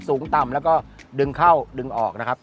สูงต่ำแล้วก็ดึงเข้าดึงออกนะครับ